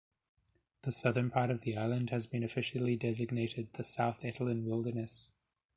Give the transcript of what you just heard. The southern part of the island has been officially designated the South Etolin Wilderness.